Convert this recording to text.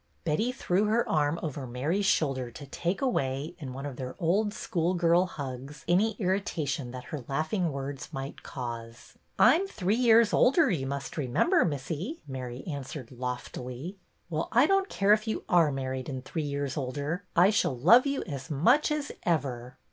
Betty threw her arm over Mary's shoulder to take away, in one of their old schoolgirl hugs, any irritation that her laughing words might cause. " I 'm three years older, you must remember, Missy," Mary answered loftily. "Well, I don't care if you are married and three years older, I shall love you as much as ever."